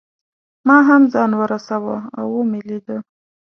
ما هم ځان ورساوه او مې لیده.